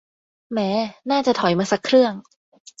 แหม น่าจะถอยมาสักเครื่อง